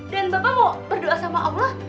dan bapak mau berdoa sama allah